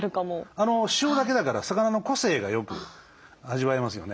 塩だけだから魚の個性がよく味わえますよね。